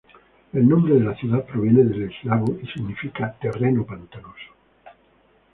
El nombre de la ciudad proviene del eslavo y significa ""Terreno pantanoso".